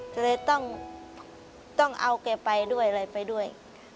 ก็เลยต้องเอาแกไปด้วย